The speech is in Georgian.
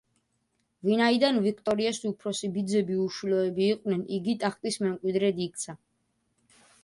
ვინაიდან ვიქტორიას უფროსი ბიძები უშვილოები იყვნენ, იგი ტახტის მემკვიდრედ იქცა.